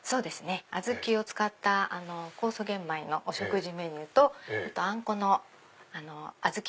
アズキを使った酵素玄米のお食事メニューとあんこのアズキ